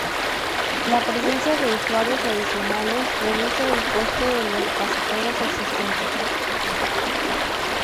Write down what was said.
La presencia de usuarios adicionales reduce el coste de los pasajeros existentes.